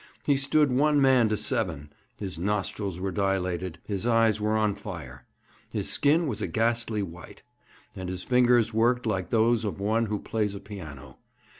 He stood one man to seven; his nostrils were dilated; his eyes were on fire; his skin was a ghastly white; and his fingers worked like those of one who plays a piano.